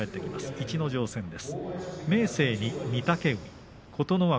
逸ノ城戦です。